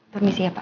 permisi ya pak